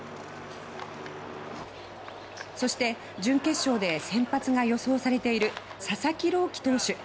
そして、準決勝で先発が予想されている佐々木朗希投手。